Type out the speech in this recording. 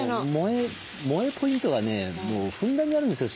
萌えポイントがねもうふんだんにあるんですよ